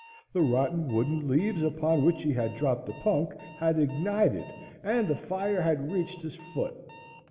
The rotten wood and leaves upon which he had dropped the punk had ignited and the fire had reached his foot.